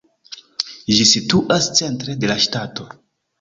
Ĝi situas centre de la ŝtato.